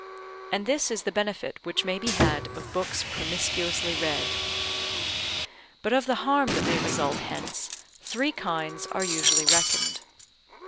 And this is the benefit which may be had of books promiscuously read. But of the harm that may result hence three kinds are usually reckoned.